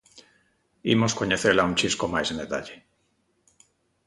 Imos coñecela un chisco máis en detalle.